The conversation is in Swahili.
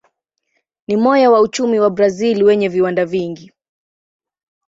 Ni moyo wa uchumi wa Brazil wenye viwanda vingi.